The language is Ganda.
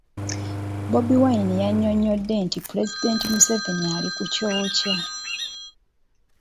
Bobi Wine yannyonnyodde nti Pulezidenti Museveni ali ku kyokya